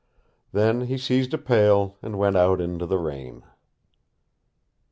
Then he seized a pail, and went out into the rain.